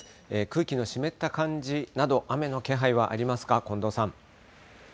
空気の湿った感じなど、雨の気配はありますか、近藤さん。